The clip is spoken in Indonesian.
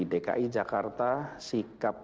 dki jakarta sikap